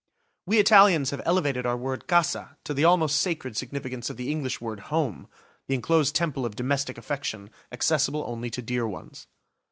We Italians have elevated our word "casa" to the almost sacred significance of the English word "home," the enclosed temple of domestic affection, accessible only to dear ones.